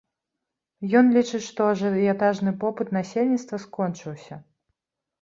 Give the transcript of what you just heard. Ён лічыць, што ажыятажны попыт насельніцтва скончыўся.